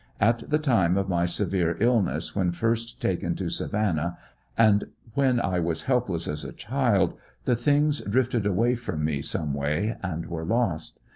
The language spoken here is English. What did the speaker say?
At the time of my severe sickness when first taken to Savannah, and when I was helpless as a child, the things drifted away from me some way, and were lost.